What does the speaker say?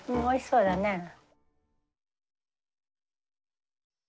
おいしそうだね。